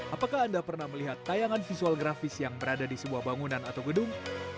apakah anda pernah melihat tayangan visual grafis yang berada di sebuah bangunan atau gedung